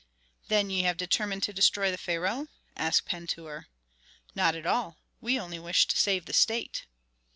"Then ye have determined to destroy the pharaoh?" asked Pentuer. "Not at all. We only wish to save the state."